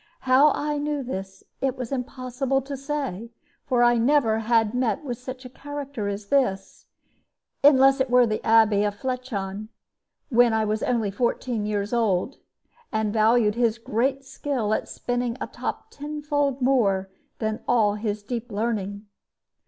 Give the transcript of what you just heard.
How I knew this it is impossible to say, for I never had met with such a character as this, unless it were the Abbe of Flechon, when I was only fourteen years old, and valued his great skill in spinning a top tenfold more than all his deep learning.